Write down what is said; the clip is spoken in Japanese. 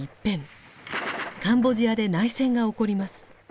カンボジアで内戦が起こります。